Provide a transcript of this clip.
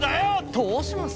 ⁉どうします？